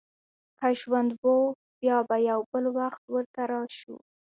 که ژوند و، بیا به یو بل وخت ورته راشو.